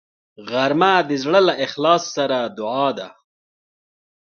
غرمه د زړه له اخلاص سره دعا ده